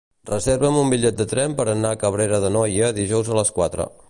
Reserva'm un bitllet de tren per anar a Cabrera d'Anoia dijous a les quatre.